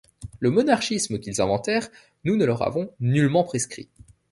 Le monachisme qu’ils inventèrent, Nous ne le leur avons nullement prescrit.